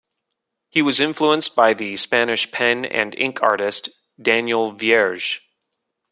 He was influenced by the Spanish pen and ink artist Daniel Vierge.